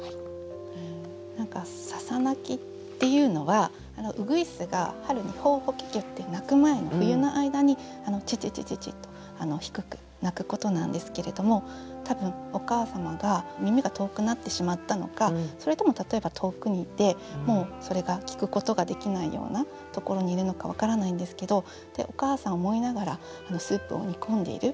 笹鳴きっていうのはうぐいすが春にホーホケキョって鳴く前の冬の間にチチチチチと低く鳴くことなんですけれども多分お母様が耳が遠くなってしまったのかそれとも例えば遠くにいてもうそれが聴くことができないようなところにいるのか分からないんですけどお母さんを思いながらスープを煮込んでいる。